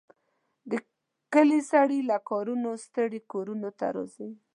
د کلي سړي له کارونو ستړي کورونو ته راځي.